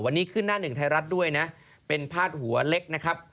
วันนี้ขึ้นหน้าหนึ่งไทยรัฐด้วยนะเป็นพาดหัวเล็กนะครับ